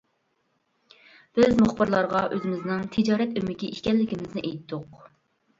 بىز مۇخبىرلارغا ئۆزىمىزنىڭ تىجارەت ئۆمىكى ئىكەنلىكىمىزنى ئېيتتۇق.